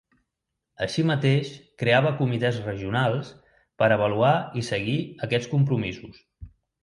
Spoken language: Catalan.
Així mateix creava comitès regionals per a avaluar i seguir aquests compromisos.